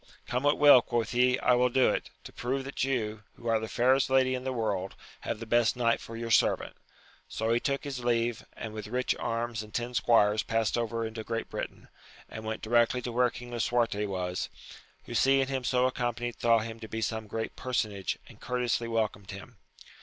Come what will, quoth he, I will do it, to prove that you, who are the fairest lady in the world, have the best knight for your servant. So he took his leave, and with rich arms and ten squires passed over into great Britain, and went directly to where King Lisuarte was, who seeing him so accompanied thought him to be some great personage, and courteously wel comed him.